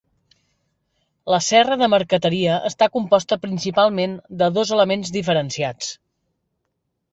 La serra de marqueteria està composta principalment de dos elements diferenciats.